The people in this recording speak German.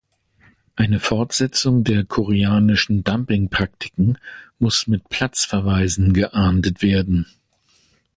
Eine Fortsetzung der koreanischen Dumpingpraktiken muss mit Platzverweisen geahndet werden.